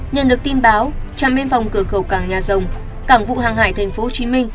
nhận được tin báo trạm bên vòng cửa cầu cảng nhà rồng cảng vụ hàng hải tp hcm